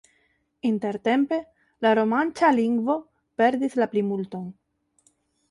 Intertempe la romanĉa lingvo perdis la plimulton.